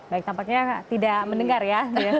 baik tampaknya tidak mendengar ya